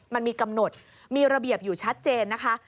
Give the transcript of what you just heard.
มันมีกำหนดมีระเบียบอยู่ชัดเจนนะคะ